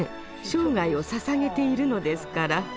生涯をささげているのですから。